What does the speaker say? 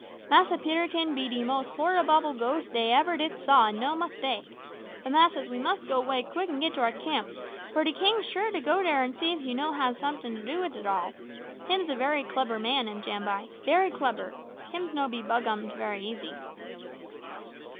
Massa Peterkin be de most horriboble ghost dey ever did saw, an' no mistake. But, massas, we mus' go 'way quick an' git to our camp, for de king sure to go dere an' see if you no hab someting to do wid it all. Him's a bery clebber king, am Jambai bery clebber; him's no be bughummed bery easy."